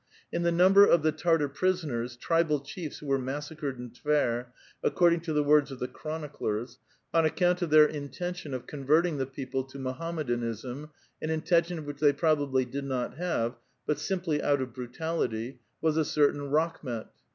In the number of the Tartar prisoners, tribal chiefs who were massacred in Tver, according to the words of the chroni clers, on account of tlieir intention of converting the people to Mohammedanism (an intention which they probably did not have) , but simply out of brutalitj', was a certain Rakh met.